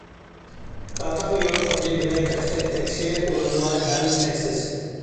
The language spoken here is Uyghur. داغدام يول خۇددى بىلەي تاشتەك تەكشى، ئۇلۇغۋار ھەم چەكسىز.